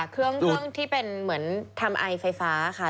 เครื่องที่เป็นเหมือนทำไอไฟฟ้าค่ะ